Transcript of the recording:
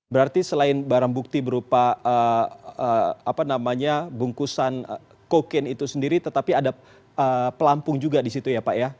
berarti selain barang bukti berupa bungkusan kokain itu sendiri tetapi ada pelampung juga di situ ya pak ya